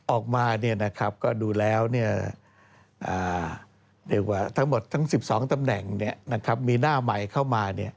ออกมาก็ดูแล้วก็ทั้งหมดทั้ง๑๒ตำแหน่งมีหน้าใหม่เข้ามา